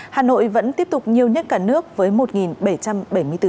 hà nội vẫn tiếp tục nhiều nhất cả nước với một bảy trăm bảy mươi bốn ca